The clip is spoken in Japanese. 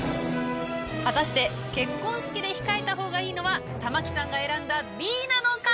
果たして結婚式で控えたほうがいいのは玉木さんが選んだＢなのか？